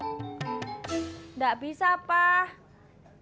selamat sulit sama boleh berjamaah di cerermu